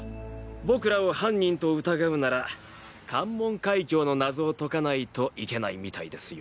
僕らを犯人と疑うなら関門海峡の謎を解かないといけないみたいですよ。